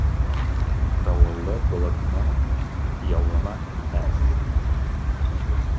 Давыллы болытның явымы аз.